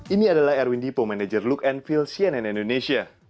ini adalah erwin dipo manager look and field cnn indonesia